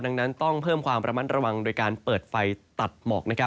ดังนั้นต้องเพิ่มความระมัดระวังโดยการเปิดไฟตัดหมอก